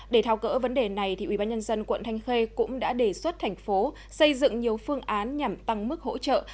để thao cỡ vấn đề này ubnd quận thanh khê cũng đã đề xuất thành phố xây dựng nhiều phương án nhằm tăng mức hỗ trợ